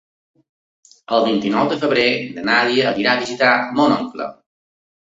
El vint-i-nou de febrer na Nàdia irà a visitar mon oncle.